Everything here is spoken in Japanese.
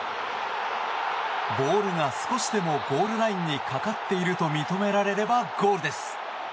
ボールが少しでもゴールラインにかかっていると認められればゴールです。